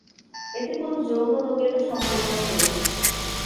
এতে কোন যৌন-রোগেরও সম্ভাবনা নেই।